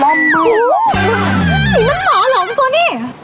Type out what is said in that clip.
มันหมอหลงตัวนี้